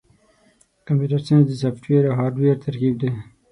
کمپیوټر ساینس د سافټویر او هارډویر ترکیب دی.